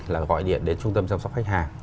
là gọi điện đến trung tâm chăm sóc khách hàng